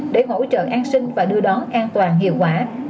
để hỗ trợ an sinh và đưa đón an toàn hiệu quả